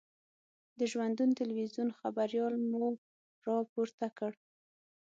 د ژوندون تلویزون خبریال مو را پورته کړ.